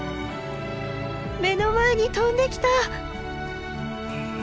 目の前に飛んできた！